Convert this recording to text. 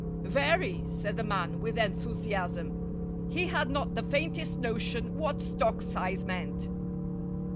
"Very," said the man, with enthusiasm. He had not the faintest notion what stock size meant.